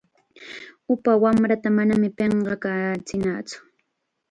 Upa wamrata manam pinqakachinatsu.